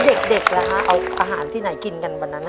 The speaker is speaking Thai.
เด็กล่ะคะเอาอาหารที่ไหนกินกันวันนั้น